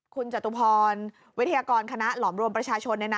คุณจตุพรวิทยากรคณะหลอมรวมประชาชน